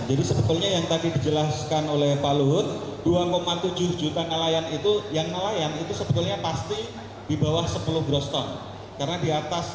jadi memang ini gratis dengan ekosistem kita mulai dari